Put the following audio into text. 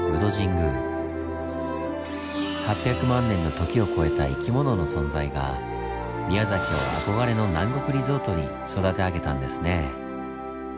８００万年の時を超えた生き物の存在が宮崎を憧れの南国リゾートに育て上げたんですね。